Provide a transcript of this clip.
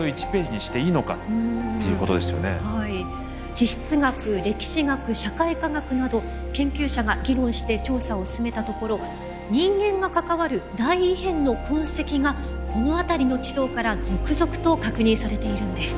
地質学歴史学社会科学など研究者が議論して調査を進めたところ人間が関わる大異変の痕跡がこの辺りの地層から続々と確認されているんです。